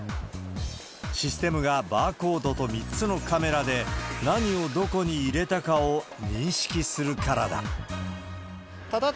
システムがバーコードと３つのカメラで、何をどこに入れたかを認識するからだ。